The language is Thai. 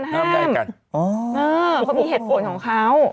เขามีเหตุผลของเขา